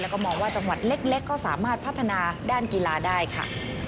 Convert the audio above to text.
แล้วก็มองว่าจังหวัดเล็กก็สามารถพัฒนาด้านกีฬาได้ค่ะ